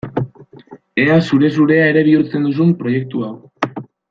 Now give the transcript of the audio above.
Ea zure-zurea ere bihurtzen duzun proiektu hau!